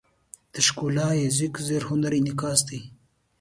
د ښکلاییز ذوق هنري انعکاس دی.